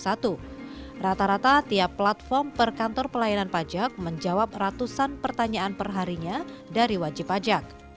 rata rata tiap platform per kantor pelayanan pajak menjawab ratusan pertanyaan perharinya dari wajib pajak